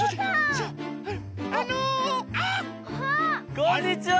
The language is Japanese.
こんにちは！